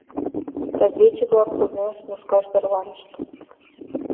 Разведчик-влак пызнен нушкаш тарванышт.